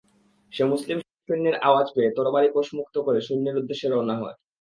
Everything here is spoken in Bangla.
সে মুসলিম সৈন্যর আওয়াজ পেয়ে তরবারি কোষমুক্ত করে সৈন্যের উদ্দেশ্যে রওনা হয়।